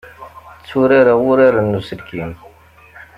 Tturareɣ uraren n uselkim.